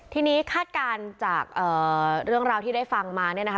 ทีนี้คาดการณ์จากเรื่องราวที่ได้ฟังมาเนี่ยนะคะ